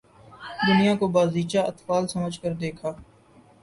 دنیا کو بازیچہ اطفال سمجھ کر دیکھا